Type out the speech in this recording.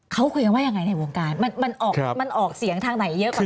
เขาเคยว่ายังไงในวงการมันออกเสียงทางไหนเยอะกว่า